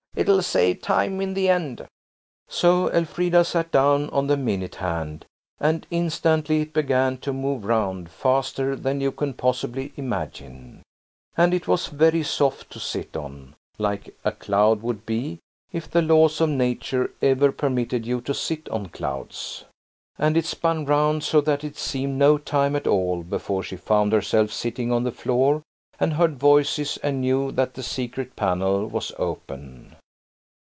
It'll save time in the end." So Elfrida sat down on the minute hand, and instantly it began to move round–faster than you can possibly imagine. And it was very soft to sit on–like a cloud would be if the laws of nature ever permitted you to sit on clouds. And it spun round so that it seemed no time at all before she found herself sitting on the floor and heard voices, and knew that the secret panel was open.